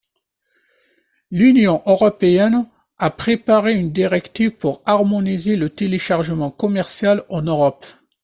L'Union européenne a préparé une directive pour harmoniser le téléchargement commercial en Europe.